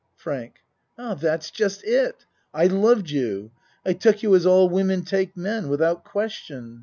FRANK Ah, that's just it I loved you. I took you as all women take men without question.